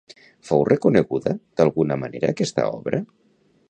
Fou reconeguda d'alguna manera aquesta obra?